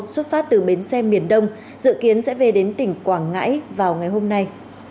xuất phát từ bến xe miền đông dự kiến sẽ về đến tỉnh quảng ngãi vào ngày hôm nay